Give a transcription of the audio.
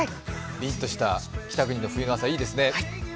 りんとした北国の冬の朝、いいですね。